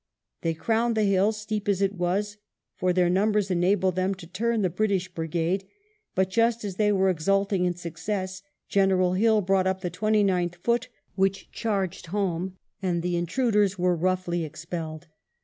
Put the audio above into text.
They crowned the hill, steep as it was, for their numbers enabled them to turn the British brigade ; but, just as they were exulting in success. General Hill brought up the Twenty ninth Foot, which charged home, and the intruders were roughly expelled.